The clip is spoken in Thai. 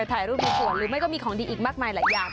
ถ่ายรูปมีส่วนหรือไม่ก็มีของดีอีกมากมายหลายอย่าง